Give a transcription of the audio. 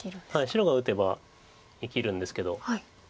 白が打てば生きるんですけど。